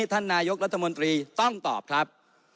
ท่านนายกรัฐมนตรีต้องตอบครับ